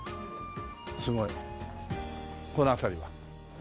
すごいこの辺りは。